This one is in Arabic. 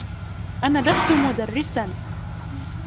أنا لست مدرساً.